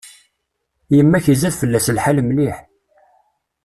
Yemma-k izad fell-as lḥal mliḥ.